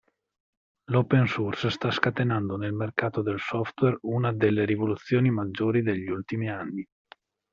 L'open source sta scatenando nel mercato del software una delle rivoluzioni maggiori degli ultimi anni.